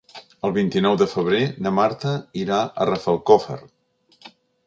El vint-i-nou de febrer na Marta irà a Rafelcofer.